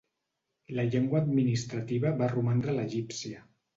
La llengua administrativa va romandre l'egípcia.